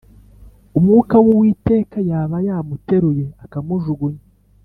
umwuka w Uwiteka yaba yamuteruye akamujugunya